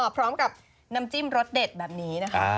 พร้อมกับน้ำจิ้มรสเด็ดแบบนี้นะคะ